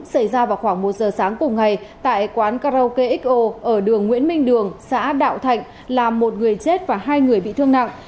xảy ra vào khoảng một giờ sáng cùng ngày tại quán karaoke xo ở đường nguyễn minh đường xã đạo thạnh làm một người chết và hai người bị thương nặng